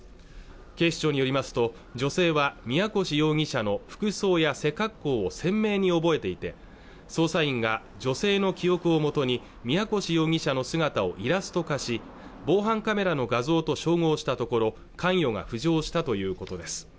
警視庁によりますと女性は宮腰容疑者の服装や背格好を鮮明に覚えていて捜査員が女性の記憶をもとに宮腰容疑者の姿をイラスト化し防犯カメラの画像と照合したところ関与が浮上したということです